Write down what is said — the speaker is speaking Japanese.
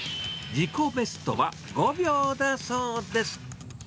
自己ベストは５秒だそうです。